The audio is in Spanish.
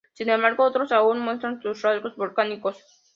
Sin embargo, otros aún muestran sus rasgos volcánicos.